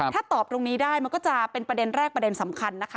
ถ้าตอบตรงนี้ได้มันก็จะเป็นประเด็นแรกประเด็นสำคัญนะคะ